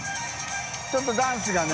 ちょっとダンスがね。）